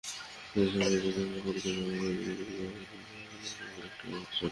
Sensor board, চিত্রনাট্য পরীক্ষণ committee, প্রযোজনা প্রতিষ্ঠান—সবাই নিয়ম মানার ব্যাপারে একাট্টা হচ্ছেন।